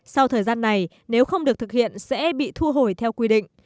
sau thời gian này nếu không được thực hiện sẽ bị thu hồi theo quy định